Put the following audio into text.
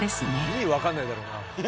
意味分かんないだろうなあ。